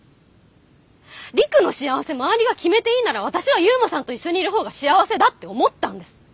陸の幸せ周りが決めていいなら私は悠磨さんと一緒にいる方が幸せだって思ったんです。